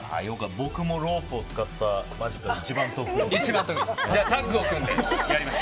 僕もロープを使ったマジックが一番得意です。